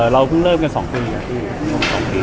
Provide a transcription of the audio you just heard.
เราพลึงเริ่มกันสองที